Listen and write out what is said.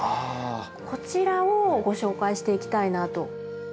こちらをご紹介していきたいなと。